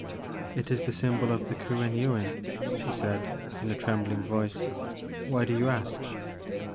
It is the symbol of the Kuen Yuin," she said in a trembing voice ;why do you ask